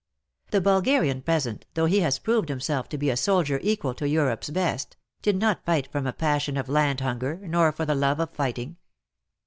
The Bulgarian peasant, though he has proved himself to be a soldier equal to Europe's best, did not fight from a passion of land hunger nor for the love of fighting.